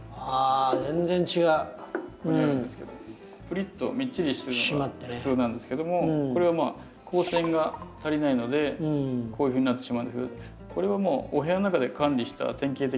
プリッとみっちりしてるのが普通なんですけどもこれはまあ光線が足りないのでこういうふうになってしまうんですけどこれはもうお部屋の中で管理した典型的な。